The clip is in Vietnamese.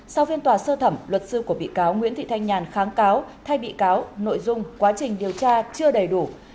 sau phiên tòa sơ thẩm luật sư của bị cáo nguyễn thị thanh nhàn kháng cáo thay bị cáo nội dung quá trình điều tra chưa đầy đủ